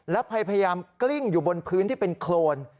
และพยายามกลิ้งอยู่บนพื้นที่เป็นโครน